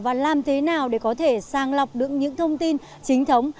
và làm thế nào để có thể sang lọc được những thông tin chính thống